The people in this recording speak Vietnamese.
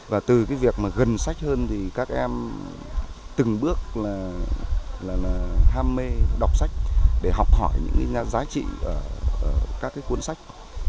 và từ cái việc mà gần sách hơn thì các em từng bước là ham mê đọc sách để học hỏi những cái giá trị các cái cuốn sách